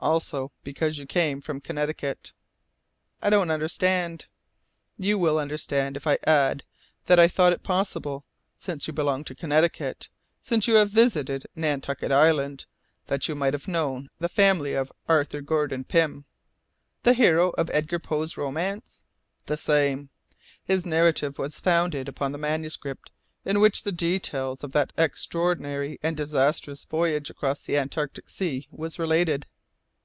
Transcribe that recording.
"Also, because you come from Connecticut." "I don't understand." "You will understand if I add that I thought it possible, since you belong to Connecticut, since you have visited Nantucket Island, that you might have known the family of Arthur Gordon Pym." "The hero of Edgar Poe's romance?" "The same. His narrative was founded upon the manuscript in which the details of that extraordinary and disastrous voyage across the Antarctic Sea was related."